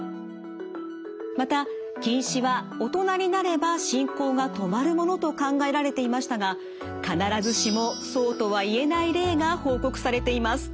また近視は大人になれば進行が止まるものと考えられていましたが必ずしもそうとは言えない例が報告されています。